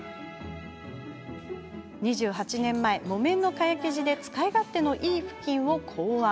２８年前、木綿の蚊帳生地で使い勝手のいいふきんを考案。